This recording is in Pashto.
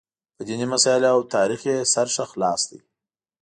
په دیني مسایلو او تاریخ یې سر ښه خلاص دی.